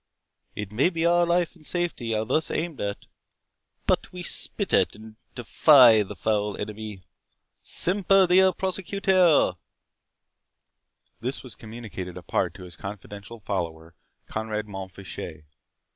—It may be our life and safety are thus aimed at; but we spit at and defy the foul enemy. 'Semper Leo percutiatur!'" This was communicated apart to his confidential follower, Conrade Mont Fitchet.